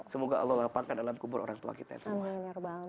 semoga allah wafatkan alam kubur orang tua kita semua